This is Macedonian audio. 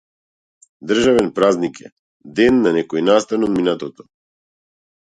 Државен празник е, ден на некој настан од минатото.